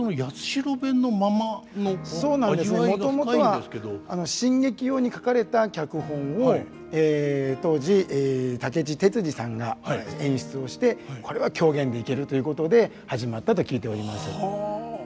もともとは新劇用に書かれた脚本を当時武智鉄二さんが演出をして「これは狂言でいける」ということで始まったと聞いております。